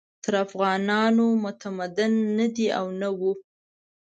تر افغانانو متمدن نه دي او نه وو.